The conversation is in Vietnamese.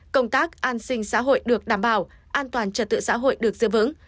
công tác an sinh xã hội được đảm bảo an toàn trật tự xã hội được giữ vững